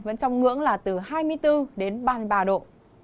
vẫn trong ngưỡng là từ hai mươi bốn đến ba mươi ba độ